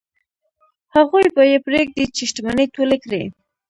هغوی به یې پرېږدي چې شتمنۍ ټولې کړي.